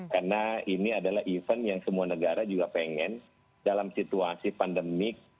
karena ini adalah event yang semua negara juga pengen dalam situasi pandemik